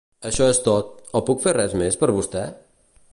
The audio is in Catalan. Això és tot, o puc fer res més per vostè?